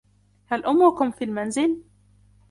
هل أمكم في المنزل؟